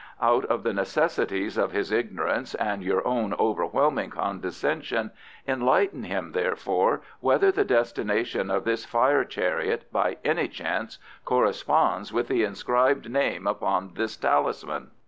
Out of the necessities of his ignorance and your own overwhelming condescension enlighten him, therefore, whether the destination of this fire chariot by any chance corresponds with the inscribed name upon his talisman?"